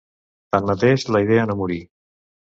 Tanmateix, la idea no morí.